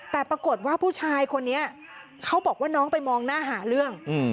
แต่ปรากฏว่าผู้ชายคนนี้เขาบอกว่าน้องไปมองหน้าหาเรื่อง